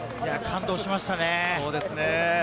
感動しましたね。